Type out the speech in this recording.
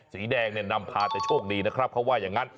สีแดงเนี่ยนำพาแต่โชคดีนะครับเขาว่าอย่างนั้น